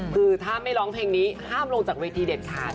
คือถ้าไม่ร้องเพลงนี้ห้ามลงจากเวทีเด็ดขาด